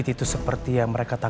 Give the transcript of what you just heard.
siapa authentic ada umrahnya